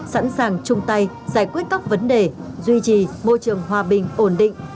sẵn sàng chung tay giải quyết các vấn đề duy trì môi trường hòa bình ổn định